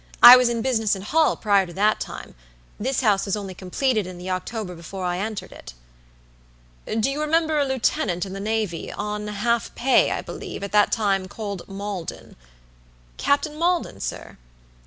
I was in business at Hull prior to that time. This house was only completed in the October before I entered it." "Do you remember a lieutenant in the navy, on half pay, I believe, at that time, called Maldon?" "Captain Maldon, sir?"